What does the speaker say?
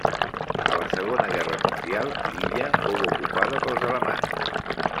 A la segona guerra mundial l'illa fou ocupada pels alemanys.